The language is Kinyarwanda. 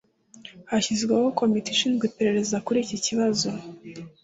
Hashyizweho komite ishinzwe iperereza kuri iki kibazo.